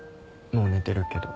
もう寝てるけど。